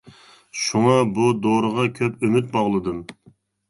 شۇڭا بۇ دورىغا كۆپ ئۈمىد باغلىدىم.